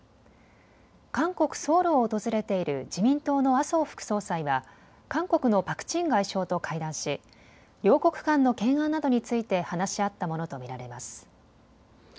韓国・ソウルを訪れている自民党の麻生副総裁は韓国のパク・チン外相と会談し両国間の懸案などについて話し合ったものと見られます。